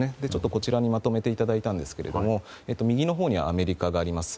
こちらにまとめていただいたんですが右のほうにアメリカがあります。